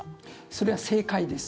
それは正解です。